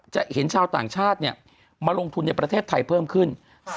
จะเห็นชาวต่างชาติมาลงทุนในประเทศไทยเพิ่มขึ้น